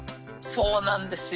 そうなんですよ。